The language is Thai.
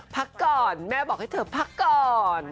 พักก่อนแม่บอกให้เธอพักก่อน